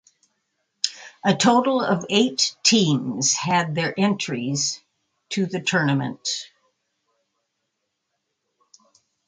A total of eight teams had their entries to the tournament.